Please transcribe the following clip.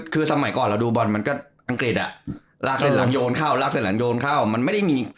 คือสมัยก่อนเราดูบอลมันก็อังกฤษลากเส้นหลังโยนเข้ามันไม่ได้มี